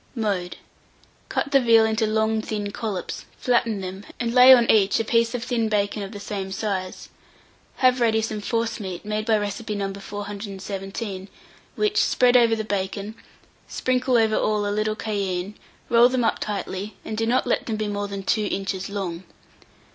Mode. Cut the veal into long thin collops, flatten them, and lay on each a piece of thin bacon of the same size; have ready some forcemeat, made by recipe No. 417, which spread over the bacon, sprinkle over all a little cayenne, roll them up tightly, and do not let them be more than 2 inches long.